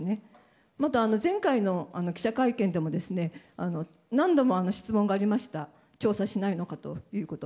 また、前回の記者会見でも何度も質問がありました調査しないのかということ。